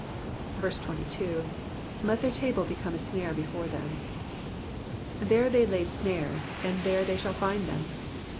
38. 22. ^''Let their table become a mare before them.'''' There they laid snares, and there they shall find them.